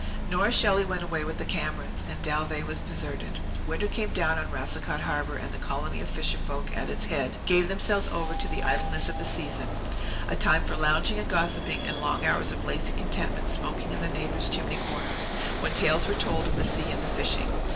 Nora Shelley went away with the Camerons, and Dalveigh was deserted. Winter came down on Racicot Harbour, and the colony of fisher folk at its head gave themselves over to the idleness of the season a time for lounging and gossipping and long hours of lazy contentment smoking in the neighbours' chimney corners, when tales were told of the sea and the fishing.